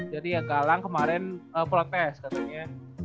jadi ya galang kemarin protes katanya